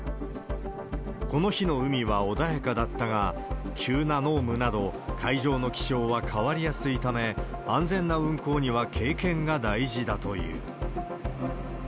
この日の海は穏やかだったが、急な濃霧など、海上の気象は変わりやすいため、安全な運航には経験が大事だという。